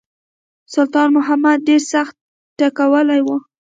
سلطان محمود ډېر سخت ټکولی وای.